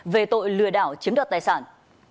về tội lừa đảo chiếm đoạt tài sản